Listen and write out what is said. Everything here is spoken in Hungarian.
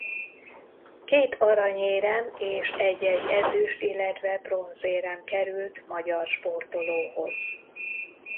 Két aranyérem és egy-egy ezüst- illetve bronzérem került magyar sportolóhoz.